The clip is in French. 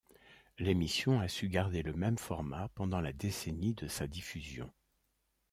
L'émission a su garder le même format pendant la décennie de sa diffusion.